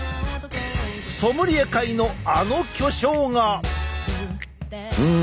ソムリエ界のあの巨匠が。